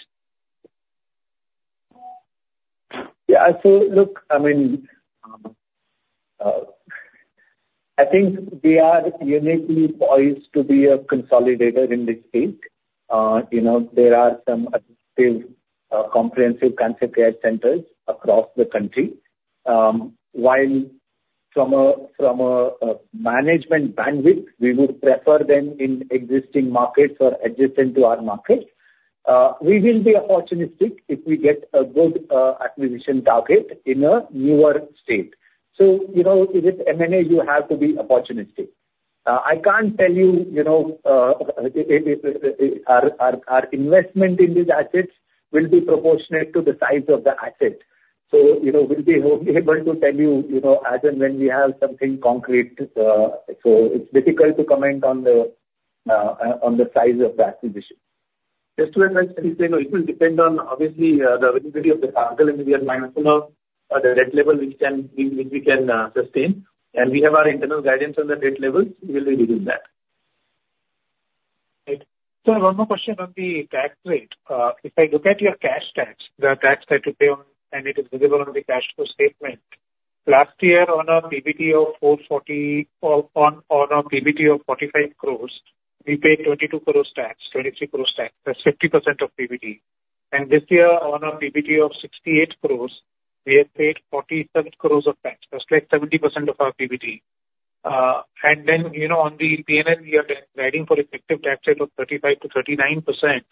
Yeah. So look, I mean, I think we are uniquely poised to be a consolidator in this state. You know, there are some active comprehensive cancer care centers across the country. While from a management bandwidth, we would prefer them in existing markets or adjacent to our markets. We will be opportunistic if we get a good acquisition target in a newer state. So, you know, with M&A, you have to be opportunistic. I can't tell you, you know, if our investment in these assets will be proportionate to the size of the asset. So, you know, we'll be able to tell you, you know, as and when we have something concrete. So it's difficult to comment on the size of the acquisition. Just to add, you know, it will depend on obviously the availability of the target and we are managing of the debt level which we can sustain. And we have our internal guidance on the debt levels. We will be using that. Right. So one more question on the tax rate. If I look at your cash tax, the tax that you pay, and it is visible on the cash flow statement. Last year, on a PBT of 45 crore, we paid 22 crore tax, 23 crore tax, that's 50% of PBT. And this year, on a PBT of 68 crore, we have paid 47 crore of tax, that's like 70% of our PBT. And then, you know, on the P&L, we are guiding for effective tax rate of 35%-39%.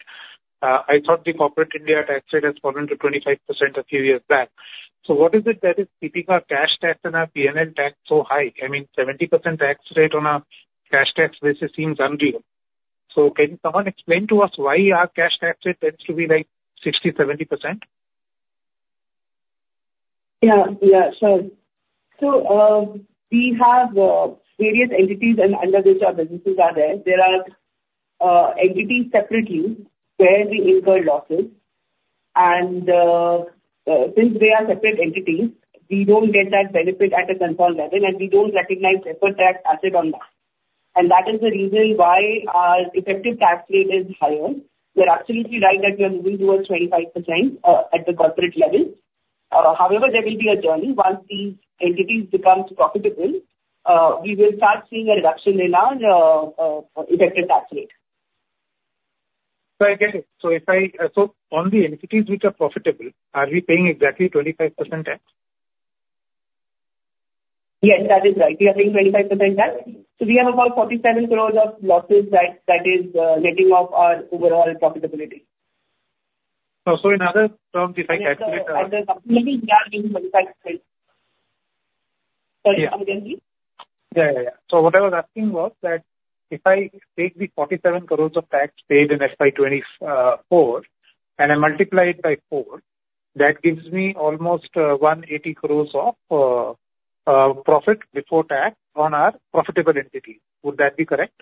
I thought the corporate India tax rate has fallen to 25% a few years back. So what is it that is keeping our cash tax and our PNL tax so high? I mean, 70% tax rate on a cash tax basis seems unreal. Can someone explain to us why our cash tax rate tends to be, like, 60%-70%? Yeah. Yeah, sure. So, we have various entities under which our businesses. There are entities separately where we incur losses, and since they are separate entities, we don't get that benefit at a consolidated level, and we don't recognize deferred tax asset on that. That is the reason why our effective tax rate is higher. You're absolutely right that we are moving towards 25% at the corporate level. However, there will be a journey. Once these entities becomes profitable, we will start seeing a reduction in our effective tax rate. So I get it. So on the entities which are profitable, are we paying exactly 25% tax? Yes, that is right. We are paying 25% tax. We have about 47 crores of losses that is letting off our overall profitability. Oh, so in other terms, if I calculate- Ultimately, we are paying 25%. Sorry, again, please. Yeah, yeah, yeah. So what I was asking was that, if I take the 47 crore of tax paid in FY 2024, and I multiply it by 4, that gives me almost 180 crore of profit before tax on our profitable entity. Would that be correct?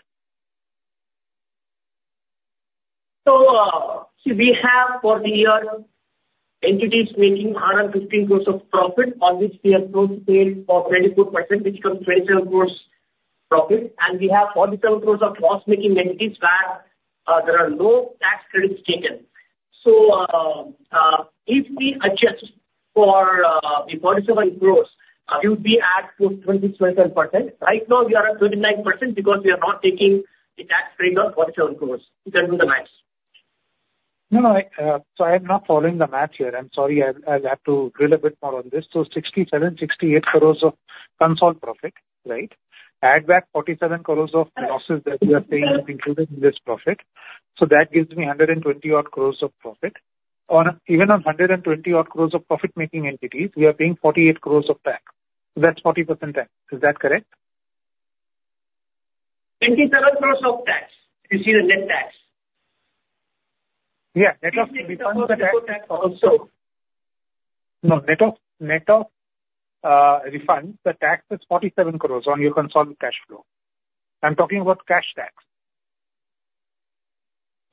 So, see, we have for the year, entities making around 15 crores of profit, on which we have gross paid of 24%, which becomes 27 crores profit, and we have 47 crores of loss-making entities where, there are no tax credits taken. So, if we adjust for, the 47 crores, it would be at to 20, 27%. Right now, we are at 39% because we are not taking the tax rate of 47 crores. You can do the math. No, no, I, so I am not following the math here. I'm sorry. I'll have to drill a bit more on this. So 67-68 crores of consolidated profit, right? Add back 47 crores of losses that you are saying is included in this profit. So that gives me 120-odd crores of profit. On a, even on 120-odd crores of profit-making entities, we are paying 48 crores of tax. So that's 40% tax. Is that correct? 27 crore of tax. You see the net tax. Yeah, net of refunds, the tax. No, net of refunds, the tax is 47 crores on your consolidated cash flow. I'm talking about cash tax.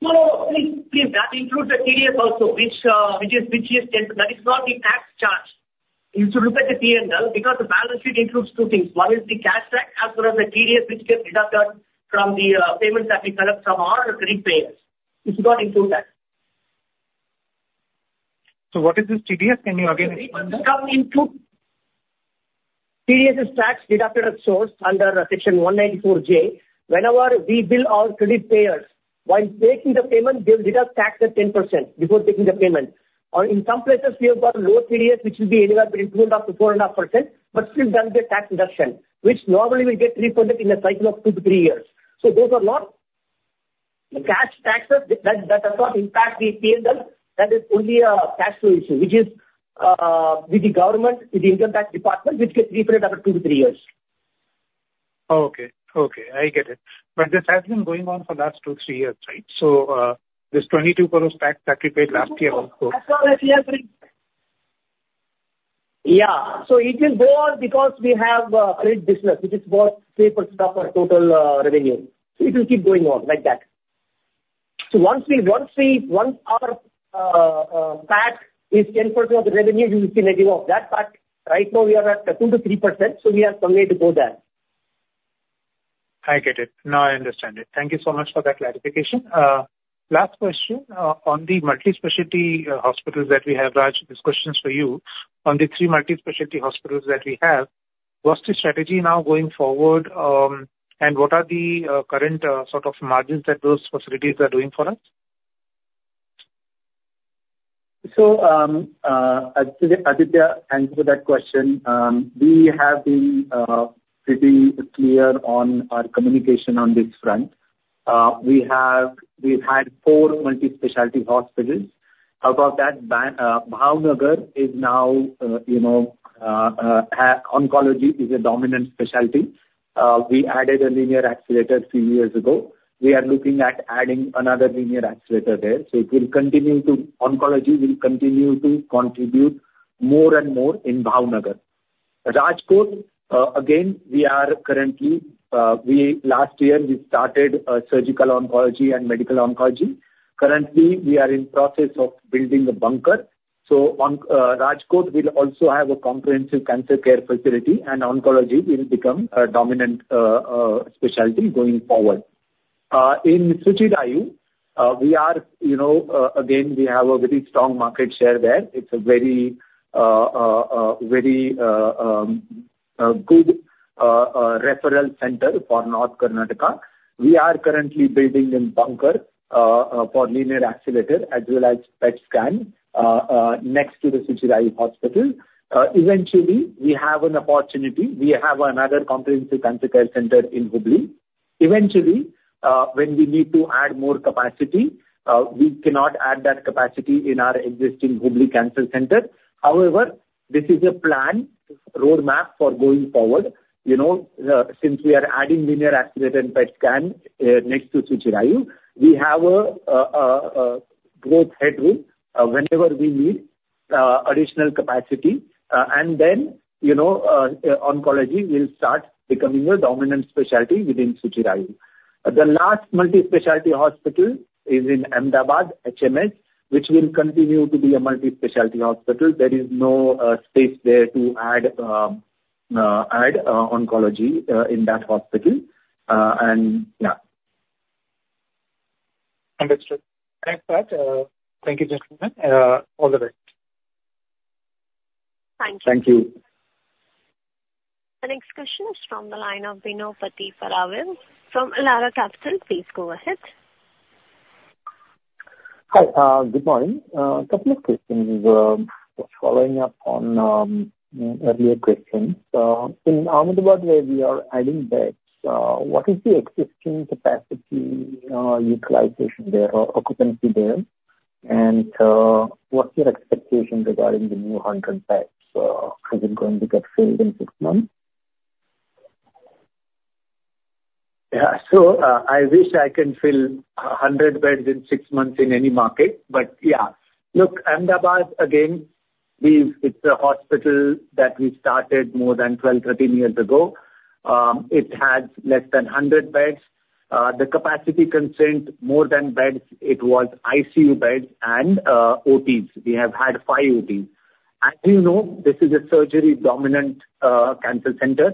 No, no, no. Please, please, that includes the TDS also, which is 10. That is not the tax charge. You should look at the PNL, because the balance sheet includes two things. One is the cash tax as well as the TDS, which gets deducted from the payments that we collect from our credit payers. It does include that. What is this TDS? Can you again explain? TDS is tax deducted at source under Section 194J. Whenever we bill our credit payers, while taking the payment, they'll deduct tax at 10% before taking the payment. Or in some places, we have got low TDS, which will be anywhere between 2% and up to 4.5%, but still done the tax deduction, which normally will get refunded in a cycle of 2 to 3 years. So those are not the cash taxes. That does not impact the P&L. That is only a tax issue, which is with the government, with the income tax department, which gets refunded after 2 to 3 years. Okay. I get it. But this has been going on for the last two, three years, right? So, this 22 crores tax that we paid last year also. Yeah. So it will go on because we have great business, which is about 3% of our total revenue. So it will keep going on like that. So once our tax is 10% of the revenue, you will see negative of that. But right now, we are at 2%-3%, so we have some way to go there. I get it. Now I understand it. Thank you so much for that clarification. Last question, on the multi-specialty hospitals that we have, Raj, this question is for you. On the three multi-specialty hospitals that we have, what's the strategy now going forward? And what are the current, sort of margins that those facilities are doing for us? So, Aditya, answer that question. We have been pretty clear on our communication on this front. We have had four multi-specialty hospitals. Above that, Bhavnagar is now, you know, oncology is a dominant specialty. We added a linear accelerator three years ago. We are looking at adding another linear accelerator there. So it will continue to oncology will continue to contribute more and more in Bhavnagar. Rajkot, again, we are currently last year, we started surgical oncology and medical oncology. Currently, we are in process of building a bunker. So on Rajkot will also have a comprehensive cancer care facility, and oncology will become a dominant specialty going forward. In Suchirayu, we are, you know, again, we have a very strong market share there. It's a very good referral center for North Karnataka. We are currently building a bunker for linear accelerator as well as PET scan next to the Suchirayu Hospital. Eventually, we have an opportunity. We have another comprehensive cancer care center in Hubli. Eventually, when we need to add more capacity, we cannot add that capacity in our existing Hubli Cancer Center. However, this is a planned roadmap for going forward. You know, since we are adding linear accelerator and PET scan next to Suchirayu, we have a growth headroom whenever we need additional capacity, and then, you know, oncology will start becoming a dominant specialty within Suchirayu. The last multi-specialty hospital is in Ahmedabad, Medisurge, which will continue to be a multi-specialty hospital. There is no space there to add oncology in that hospital, yeah. Understood. Thanks, Raj. Thank you, gentlemen. All the best. Thank you. Thank you. The next question is from the line of Bino Pathiparampil from Elara Capital. Please go ahead. Hi, good morning. Couple of questions, just following up on earlier questions. In Ahmedabad, where we are adding beds, what is the existing capacity, utilization there or occupancy there? What's your expectation regarding the new 100 beds? Are they going to get filled in six months? Yeah. So, I wish I can fill 100 beds in six months in any market. But yeah, look, Ahmedabad, again, we've, it's a hospital that we started more than 12, 13 years ago. It has less than 100 beds. The capacity constraint, more than beds, it was ICU beds and OTs. We have had 5 OTs. As you know, this is a surgery-dominant cancer center.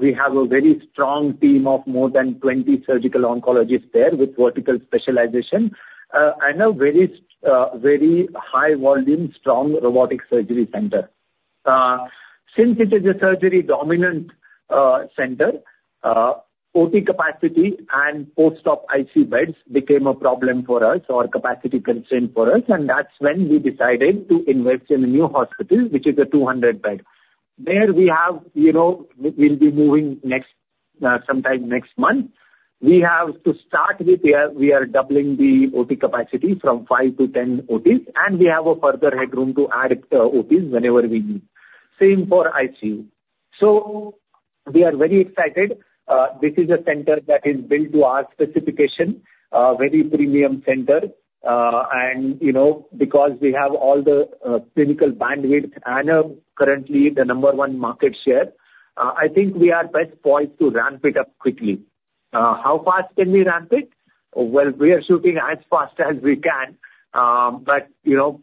We have a very strong team of more than 20 surgical oncologists there, with vertical specialization, and a very high volume, strong robotic surgery center. Since it is a surgery-dominant center, OT capacity and post-op ICU beds became a problem for us or capacity constraint for us, and that's when we decided to invest in a new hospital, which is a 200-bed. There we have, you know, we'll be moving next, sometime next month. We have to start with, we are doubling the OT capacity from five to 10 OTs, and we have a further headroom to add, OTs whenever we need. Same for ICU. So we are very excited. This is a center that is built to our specification, very premium center. And, you know, because we have all the, clinical bandwidth and are currently the number one market share, I think we are best poised to ramp it up quickly. How fast can we ramp it? Well, we are shooting as fast as we can, but, you know,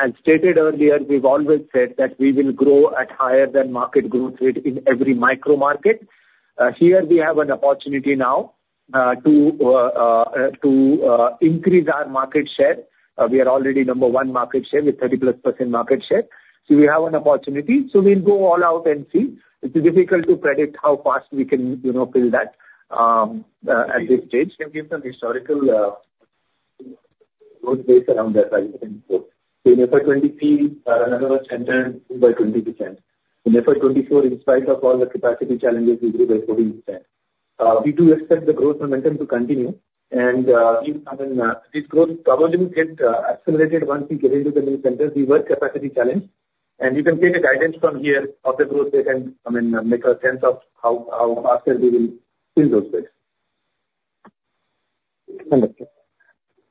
as stated earlier, we've always said that we will grow at higher than market growth rate in every micro market. Here we have an opportunity now to increase our market share. We are already number one market share with 30%+ market share. So we have an opportunity. So we'll go all out and see. It's difficult to predict how fast we can, you know, fill that at this stage. Can you give some historical growth rates around that, Raj? So in FY 2023, another was 10%-20%. In FY 2024, in spite of all the capacity challenges, we grew by 40%. We do expect the growth momentum to continue, and, I mean, this growth probably will get accelerated once we get into the new center. We were capacity challenged, and you can take a guidance from here of the growth rate and, I mean, make a sense of how faster we will fill those beds. Understood.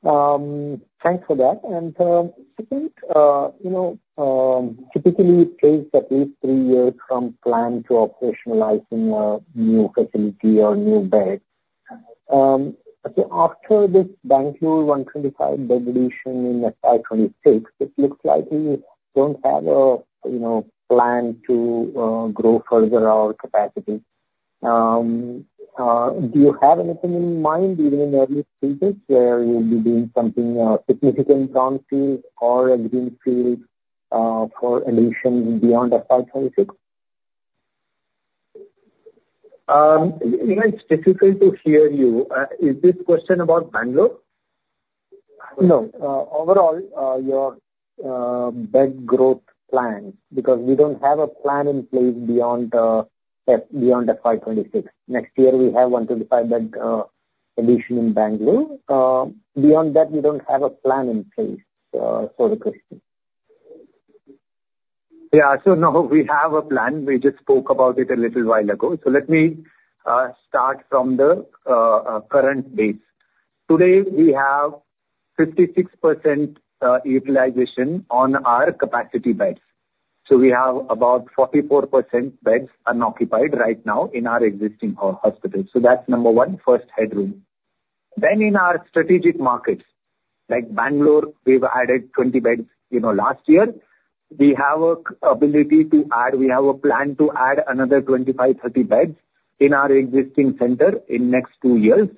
Thanks for that. I think, you know, typically it takes at least 3 years from plan to operationalizing a new facility or new beds. Okay, after this Bangalore 125 bed addition in FY 26, it looks like you don't have a, you know, plan to grow further our capacity. Do you have anything in mind, even in early stages, where you'll be doing something significant brownfield or a greenfield for addition beyond FY 2026? Bino, it's difficult to hear you. Is this question about Bangalore? No. Overall, your bed growth plan, because we don't have a plan in place beyond, beyond FY 2026. Next year, we have 125-bed addition in Bangalore. Beyond that, we don't have a plan in place for the question. Yeah. So no, we have a plan. We just spoke about it a little while ago. So let me start from the current base. Today, we have 56% utilization on our capacity beds, so we have about 44% beds unoccupied right now in our existing hospitals. So that's number one, first headroom. Then in our strategic markets, like Bangalore, we've added 20 beds, you know, last year. We have a capacity to add, we have a plan to add another 25-30 beds in our existing center in next 2 years.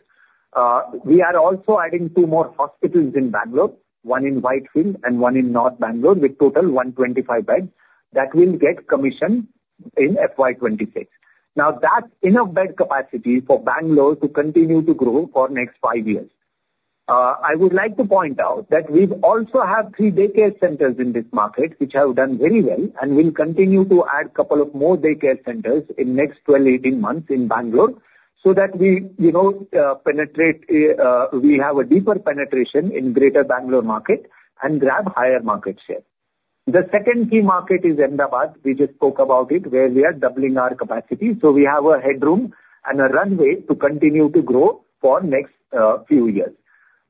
We are also adding 2 more hospitals in Bangalore, one in Whitefield and one in North Bangalore, with total 125 beds. That will get commissioned in FY 2026. Now, that's enough bed capacity for Bangalore to continue to grow for next 5 years. I would like to point out that we've also have three daycare centers in this market, which have done very well, and we'll continue to add couple of more daycare centers in next 12, 18 months in Bangalore, so that we, you know, penetrate, we have a deeper penetration in greater Bangalore market and grab higher market share. The second key market is Ahmedabad. We just spoke about it, where we are doubling our capacity. So we have a headroom and a runway to continue to grow for next few years.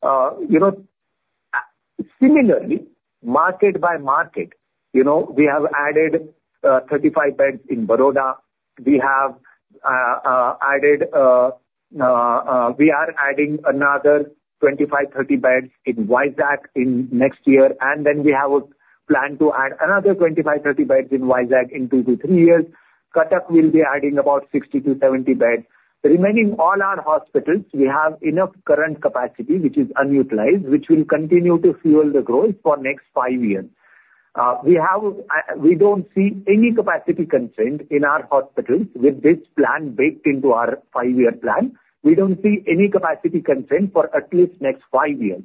You know, similarly, market by market, you know, we have added 35 beds in Baroda. We are adding another 25-30 beds in Vizag in next year, and then we have a plan to add another 25-30 beds in Vizag in 2-3 years. Cuttack, we'll be adding about 60-70 beds. The remaining all our hospitals, we have enough current capacity, which is unutilized, which will continue to fuel the growth for next 5 years. We don't see any capacity constraint in our hospitals with this plan baked into our 5-year plan. We don't see any capacity constraint for at least next 5 years.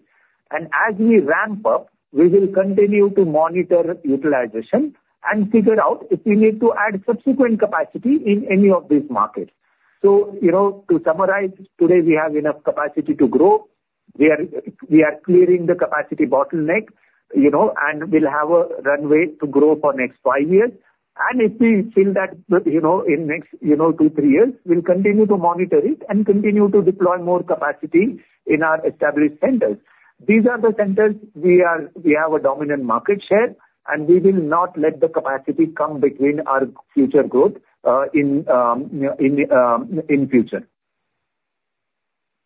As we ramp up, we will continue to monitor utilization and figure out if we need to add subsequent capacity in any of these markets. You know, to summarize, today, we have enough capacity to grow. We are clearing the capacity bottleneck, you know, and we'll have a runway to grow for next 5 years. If we feel that, you know, in next, you know, 2, 3 years, we'll continue to monitor it and continue to deploy more capacity in our established centers. These are the centers we have a dominant market share, and we will not let the capacity come between our future growth in future.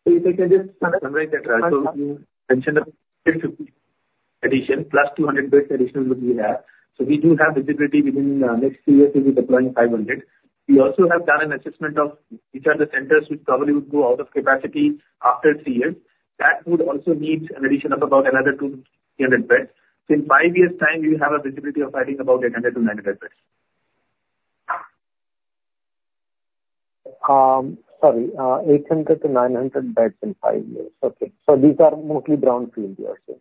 So if I can just summarize that, so you mentioned the addition, plus 200 beds addition which we have. So we do have visibility within, next 3 years, we'll be deploying 500. We also have done an assessment of which are the centers which probably would go out of capacity after 3 years. That would also need an addition of about another 200 beds. In 5 years' time, we have a visibility of adding about 800-900 beds. Sorry, 800-900 beds in 5 years. Okay. So these are mostly brownfield, you are saying?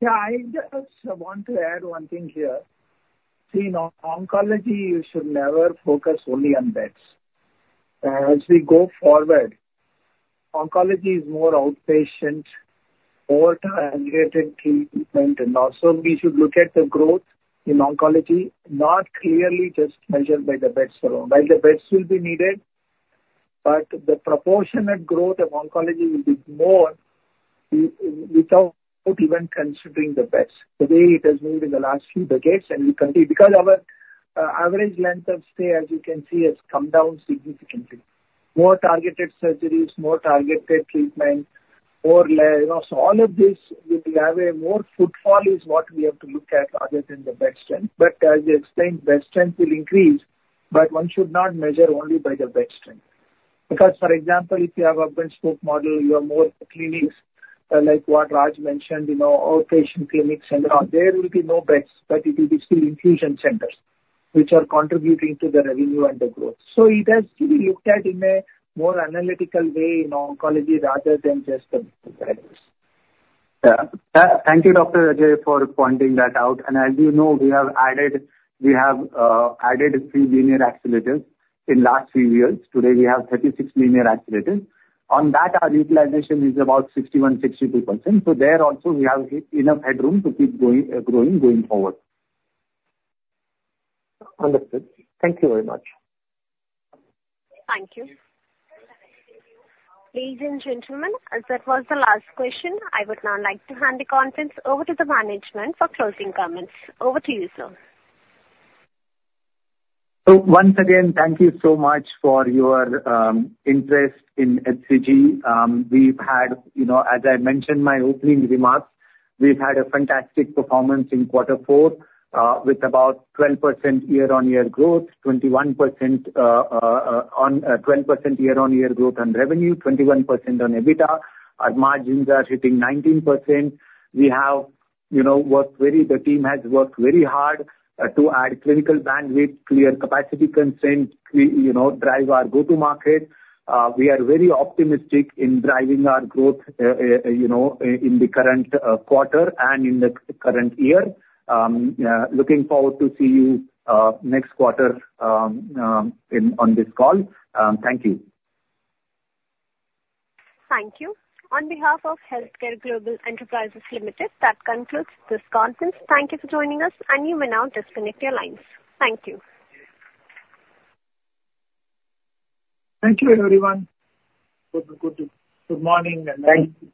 Yeah, I just want to add one thing here. See, in oncology, you should never focus only on beds. As we go forward, oncology is more outpatient, more targeted treatment, and also we should look at the growth in oncology, not clearly just measured by the beds alone. While the beds will be needed, but the proportionate growth of oncology will be more without even considering the beds. The way it has moved in the last few decades, and we continue. Because our average length of stay, as you can see, has come down significantly. More targeted surgeries, more targeted treatment, you know, so all of this, we will have a more footfall is what we have to look at other than the bed strength. But as you explained, bed strength will increase, but one should not measure only by the bed strength. Because, for example, if you have a breast spoke model, you have more clinics, like what Raj mentioned, you know, outpatient clinics and all. There will be no beds, but it will be still infusion centers, which are contributing to the revenue and the growth. So it has to be looked at in a more analytical way in oncology rather than just the beds. Yeah. Thank you, Dr. B.S. Ajaikumar, for pointing that out. And as you know, we have added, we have added 3 linear accelerators in last few years. Today, we have 36 linear accelerators. On that, our utilization is about 61%-62%, so there also we have enough headroom to keep going, growing, going forward. Understood. Thank you very much. Thank you. Ladies and gentlemen, as that was the last question, I would now like to hand the conference over to the management for closing comments. Over to you, sir. So once again, thank you so much for your interest in HCG. We've had, you know, as I mentioned my opening remarks, we've had a fantastic performance in quarter four with about 12% year-on-year growth on revenue, 21% on EBITDA. Our margins are sitting 19%. We have, you know, the team has worked very hard to add clinical bandwidth, clear capacity constraints, we, you know, drive our go-to market. We are very optimistic in driving our growth, you know, in the current quarter and in the current year. Looking forward to see you next quarter in on this call. Thank you. Thank you. On behalf of Healthcare Global Enterprises Limited, that concludes this conference. Thank you for joining us, and you may now disconnect your lines. Thank you. Thank you, everyone. Good morning, and thank you.